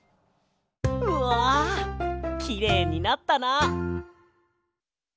うわきれいになったな！